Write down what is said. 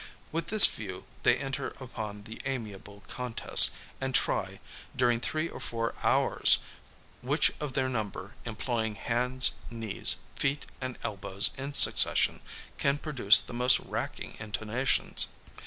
With this view they enter upon the amiable contest, and try, during three or four hours, which of their number, employing hands, knees, feet, and elbows in succession, can produce the most racking intonations.